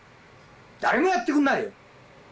誰もやってくんないよ。